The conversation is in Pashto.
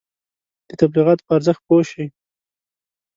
د تبلیغاتو په ارزښت پوه شئ.